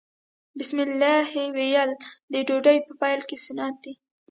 بسم الله ویل د ډوډۍ په پیل کې سنت دي.